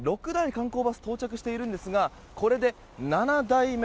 観光バスが到着していますがこれで７台目。